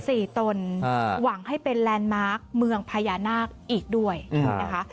ตนอ่าหวังให้เป็นแลนด์มาร์คเมืองพญานาคอีกด้วยนะคะ